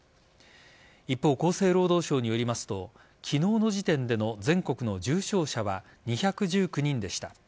一方、厚生労働省によりますと昨日の時点での全国の重症者は２１９人でした。